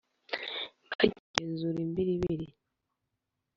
bakihezura imbiribiri